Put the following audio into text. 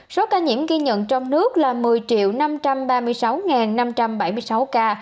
số ca nhiễm ghi nhận trong nước là một mươi năm trăm ba mươi sáu năm trăm bảy mươi sáu ca